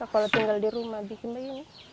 kalau tinggal di rumah bikin begini